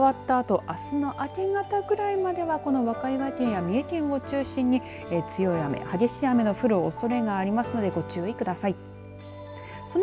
日付が変わったあとあすの明け方ぐらいまではこの和歌山県や三重県を中心に強い雨、激しい雨の降るおそれがありますので、ご注意ください。